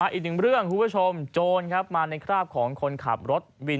อีกดึงเรื่องครูเพชรชวมโจทย์มาในคราบของคนขับรถวิน